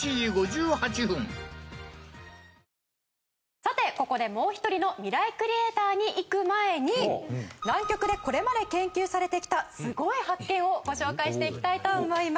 さてここでもう一人のミライクリエイターにいく前に南極でこれまで研究されてきたすごい発見をご紹介していきたいと思います。